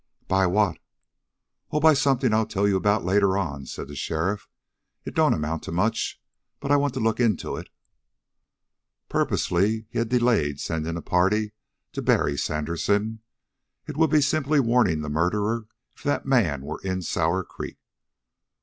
"By what?" "Oh, by something I'll tell you about later on," said the sheriff. "It don't amount to much, but I want to look into it." Purposely he had delayed sending the party to bury Sandersen. It would be simply warning the murderer if that man were in Sour Creek.